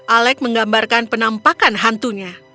alec menggambarkan penampakan hantunya